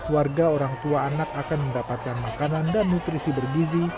warga orang tua anak akan mendapatkan makanan dan nutrisi bergizi